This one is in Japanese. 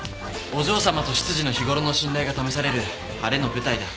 お嬢さまと執事の日ごろの信頼が試される晴れの舞台だ。